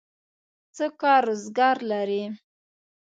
څه کار روزګار لرئ؟